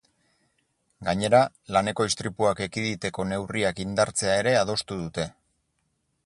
Gainera, laneko istripuak ekiditeko neurriak indartzea ere adostu dute.